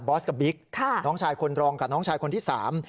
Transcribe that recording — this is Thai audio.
กับบิ๊กค่ะน้องชายคนรองกับน้องชายคนที่สาม